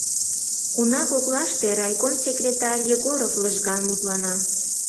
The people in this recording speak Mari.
Уна коклаште райком секретарь Егоров лыжган мутлана.